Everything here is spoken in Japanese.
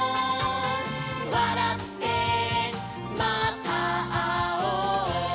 「わらってまたあおう」